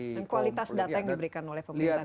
dan kualitas data yang diberikan oleh pemerintah daerah